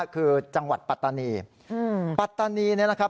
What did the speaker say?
คือจังหวัดปัตตานีปัตตานีเนี่ยนะครับ